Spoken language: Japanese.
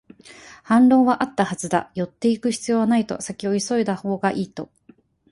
反論はあったはずだ、寄っていく必要はないと、先を急いだほうがいいと